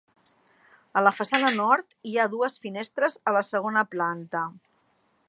A la façana Nord, hi ha dues finestres a la segona planta.